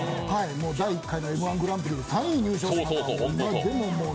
第１回目のＭ−１グランプリで３位入賞でした。